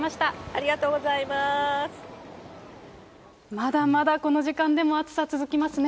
まだまだこの時間でも暑さ続きますね。